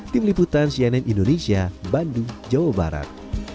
tim liputan cnn indonesia bandung jawa barat